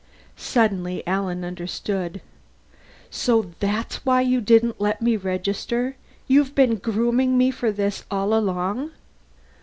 Suddenly Alan understood. "So that's why you didn't let me register! You've been grooming me for this all along!"